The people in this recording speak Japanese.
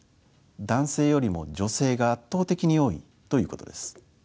男性よりも女性が圧倒的に多いということです。